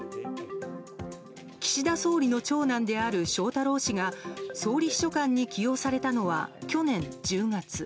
岸田総理の長男である翔太郎氏が総理秘書官に起用されたのは去年１０月。